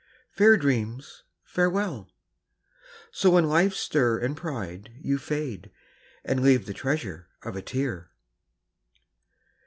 Fair dreams, farewell! So in life's stir and pride You fade, and leave the treasure of a tear!